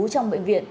trong bệnh viện